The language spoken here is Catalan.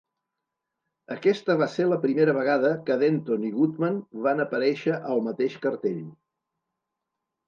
Aquesta va ser la primera vegada que Denton i Goodman van aparèixer al mateix cartell.